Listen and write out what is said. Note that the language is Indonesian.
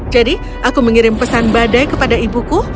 jadi aku mengirim pesan badai kepada ibuku